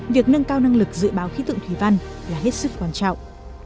việc nâng cao năng lực dự báo khí tượng thủy văn là hết sức quan trọng